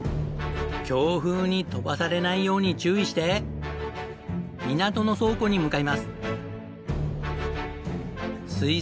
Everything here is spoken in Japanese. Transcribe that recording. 強風に飛ばされないように注意して港の倉庫に向かいます。